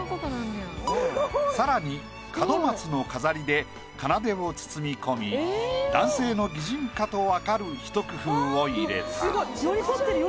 更に門松の飾りでかなでを包み込み男性の擬人化とわかるひと工夫を入れた。